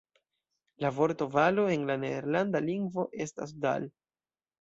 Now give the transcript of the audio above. La vorto valo en la nederlanda lingvo estas "dal".